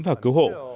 và cứu hộ